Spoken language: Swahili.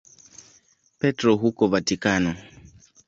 Petro huko Vatikano.